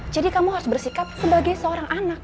jadi kamu harus bersikap sebagai seorang anak